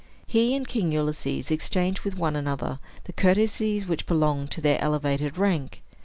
He and King Ulysses exchanged with one another the courtesies which belong to their elevated rank.